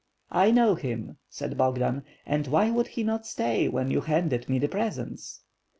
"I know him/' said Bogdan, "and why would he not stay when you handed me the presents?"